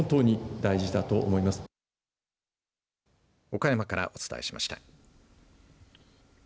岡山からお伝えしました。